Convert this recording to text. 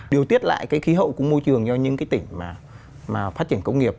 điều tiết lại cái khí hậu của môi trường cho những cái tỉnh mà phát triển công nghiệp